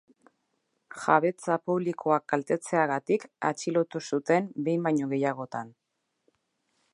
Jabetza publikoa kaltetzeagatik atxilotu zuten behin baino gehiagotan.